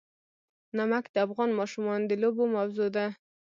نمک د افغان ماشومانو د لوبو موضوع ده.